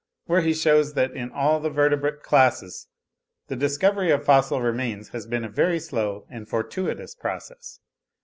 where he shews that in all the vertebrate classes the discovery of fossil remains has been a very slow and fortuitous process.